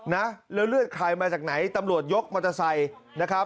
แล้วเลือดใครมาจากไหนตำรวจยกมอเตอร์ไซส์